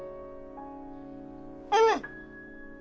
うむ！